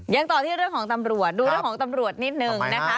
ยังต่อที่เรื่องของตำรวจดูเรื่องของตำรวจนิดนึงนะคะ